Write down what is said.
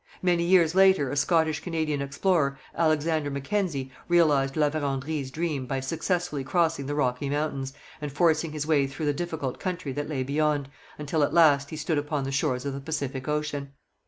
Many years later a Scottish Canadian explorer, Alexander Mackenzie, realized La Vérendrye's dream by successfully crossing the Rocky Mountains and forcing his way through the difficult country that lay beyond, until at last he stood upon the shores of the Pacific ocean.